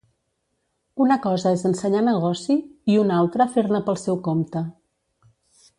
Una cosa es ensenyar negoci i un altra fer-ne pel seu compte